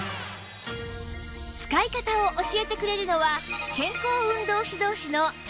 使い方を教えてくれるのは